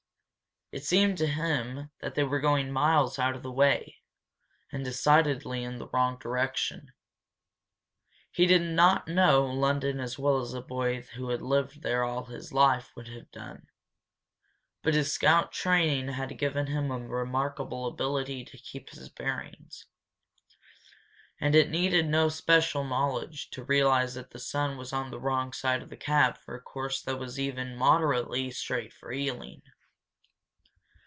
It seemed to him that they were going miles out of the way, and decidedly in the wrong direction. He did not know London as well as a boy who had lived there all his life would have done. But his scout training had given him a remarkable ability to keep his bearings. And it needed no special knowledge to realize that the sun was on the wrong side of the cab for a course that was even moderately straight for Ealing.